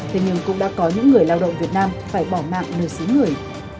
thế nhưng cũng đã có những người lao động việt nam phải bỏ mạng nơi xứ người